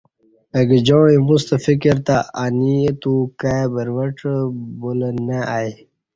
اگجاعں ایمُوستہ فِکر تہ انی اتو کائ بروڄہ، بلا نہ ائ